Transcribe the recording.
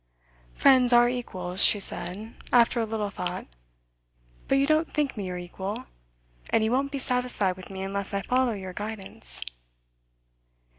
'Friends are equals,' she said, after a little thought. 'But you don't think me your equal, and you won't be satisfied with me unless I follow your guidance.